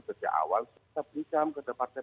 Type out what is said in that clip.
sejak awal kita berikan kepada partai